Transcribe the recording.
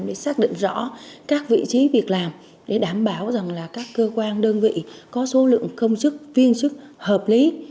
để xác định rõ các vị trí việc làm để đảm bảo rằng là các cơ quan đơn vị có số lượng công chức viên chức hợp lý